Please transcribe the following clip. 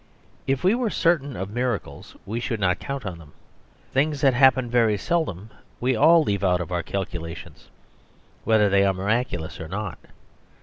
If we were certain of miracles we should not count on them. Things that happen very seldom we all leave out of our calculations, whether they are miraculous or not.